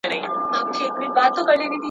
په خپل ژوند یې د ښار مخ نه وو لیدلی `